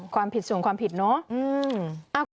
ความผิดส่วนความผิดเนาะ